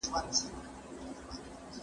نوي کشفيات ژوند آسانه کوي.